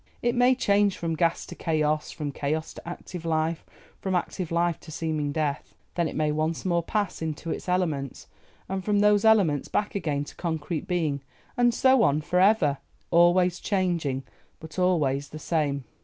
It may change from gas to chaos, from chaos to active life, from active life to seeming death. Then it may once more pass into its elements, and from those elements back again to concrete being, and so on for ever, always changing, but always the same.